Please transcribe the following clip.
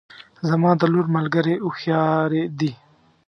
زما د لور ملګرې هوښیارې دي